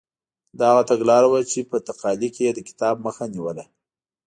دا هغه تګلاره وه چې په تقالي کې یې د کتاب مخه نیوله.